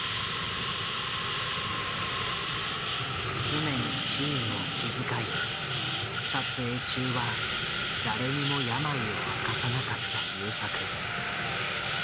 常にチームを気遣い撮影中は誰にも病を明かさなかった優作。